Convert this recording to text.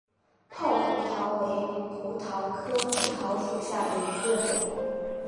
泡核桃为胡桃科胡桃属下的一个种。